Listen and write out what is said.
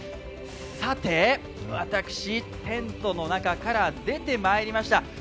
さて、私、テントの中から出てまいりました。